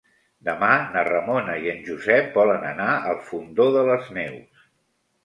Demà na Ramona i en Josep volen anar al Fondó de les Neus.